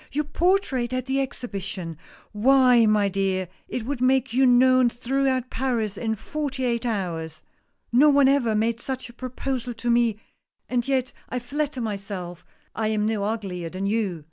Your portrait at the Exposition I Why, my dear, it would make you known throughout Paris in forty eight hours." " No one ever made such a proposal to me, and yet I THE PORTRAIT. 125 flatter myself I am no uglier than you